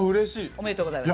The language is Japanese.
おめでとうございます。